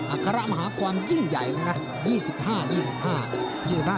อักษระมหาความยิ่งใหญ่อีกนัดหนึ่งนะ